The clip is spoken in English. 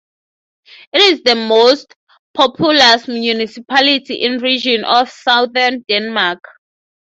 It is the most populous municipality in Region of Southern Denmark.